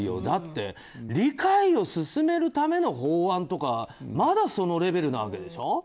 だって理解を進めるための法案とかまだそのレベルなわけでしょ。